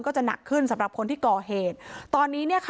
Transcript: จะหนักขึ้นสำหรับคนที่ก่อเหตุตอนนี้เนี่ยค่ะ